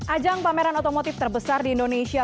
ajang pameran otomotif terbesar di indonesia